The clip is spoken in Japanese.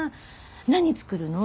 何作るの？